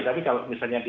tapi kalau misalnya di